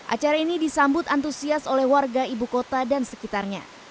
acara ini disambut antusias oleh warga ibu kota dan sekitarnya